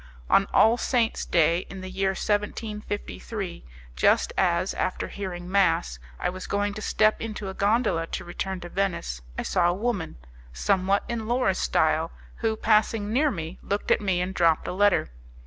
On All Saints' Day, in the year 1753, just as, after hearing mass, I was going to step into a gondola to return to Venice, I saw a woman, somewhat in Laura's style who, passing near me, looked at me and dropped a letter.